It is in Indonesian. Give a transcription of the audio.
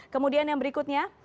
kemudian yang berikutnya